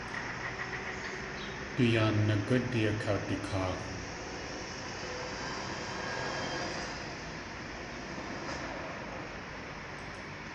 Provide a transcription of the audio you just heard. Du yaa nagúdi akawdikaa.